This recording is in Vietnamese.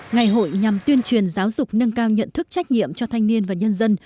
ngày hội nhằm tuyên truyền giáo dục nâng cao nhận thức trách nhiệm cho thanh niên và nhân dân